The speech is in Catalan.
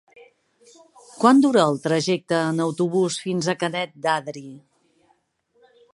Quant dura el trajecte en autobús fins a Canet d'Adri?